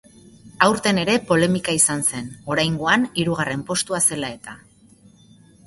Aurten ere polemika izan zen, oraingoan hirugarren postua zela eta.